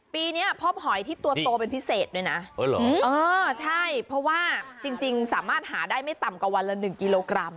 ปีนี้พบหอยที่ตัวโตเป็นพิเศษด้วยนะเออใช่เพราะว่าจริงสามารถหาได้ไม่ต่ำกว่าวันละ๑กิโลกรัม